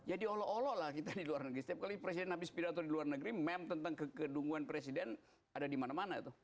ya diolo olo lah kita di luar negeri setiap kali presiden habis pidato di luar negeri meme tentang kekedunguan presiden ada di mana mana tuh